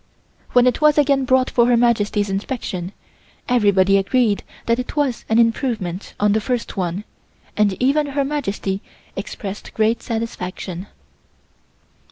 When it was again brought for Her Majesty's inspection everybody agreed that it was an improvement on the first one, and even Her Majesty expressed great satisfaction.